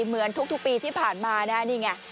เหมือนทุกปีที่ผ่านมานะนี่ไง